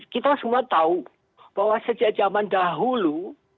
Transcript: kita semua tahu bahwa sejak zaman dahulu